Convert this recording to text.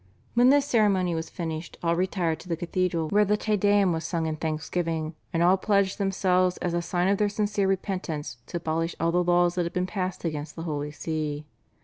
When this ceremony was finished all retired to the cathedral, where the /Te Deum/ was sung in thanksgiving, and all pledged themselves as a sign of their sincere repentance to abolish all the laws that had been passed against the Holy See.